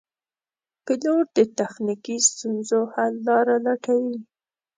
پیلوټ د تخنیکي ستونزو حل لاره لټوي.